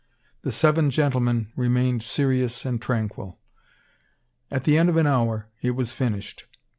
The seven gentlemen remained serious and tranquil. At the end of an hour, it was finished.